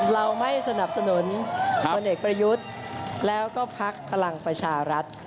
เราไม่สนับสนุนพลเอกประยุทธ์แล้วก็พักพลังประชารัฐ